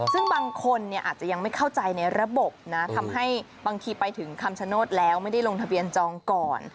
ซึ่งบางคนอาจจะยังไม่เข้าใจในระบบนะทำให้บางทีไปถึงคำชโนธแล้วไม่ได้ลงทะเบียนจองก่อน